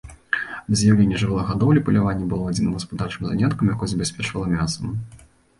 Да з'яўлення жывёлагадоўлі паляванне было адзіным гаспадарчым заняткам, якое забяспечвала мясам.